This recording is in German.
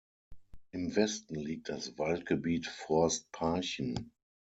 Im Westen liegt das Waldgebiet „Forst Parchen“.